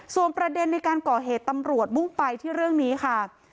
ส่วนประเด็นในการก่อเหตุตำรวจมุ่งไปที่เรื่องนี้ค่ะ